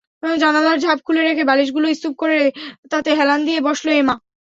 জানালার ঝাঁপ খুলে রেখে, বালিশগুলো স্তূপ করে তাতে হেলান দিয়ে বসল এমা।